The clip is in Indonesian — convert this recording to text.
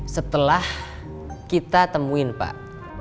setelah kita temuin pak